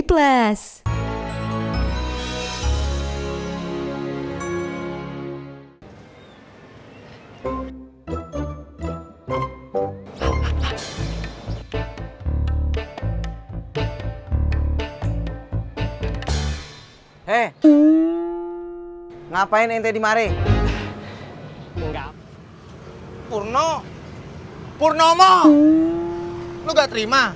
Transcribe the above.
hei ngapain ente dimari